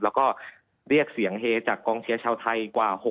แล้วก็เรียกเสียงเฮจากกรองเชียชาวไทยกว่า๖๐๐ชีวิต